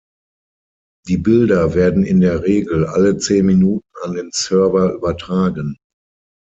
Die Bilder werden in der Regel alle zehn Minuten an den Server übertragen.